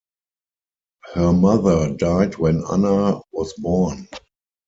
Her mother died when Anna was born.